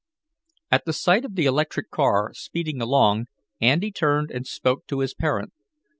At the sight of the electric car, speeding along, Andy turned and spoke to his parent.